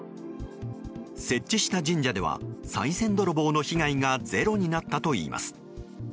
設置した神社では、さい銭泥棒の被害がゼロになったといいます。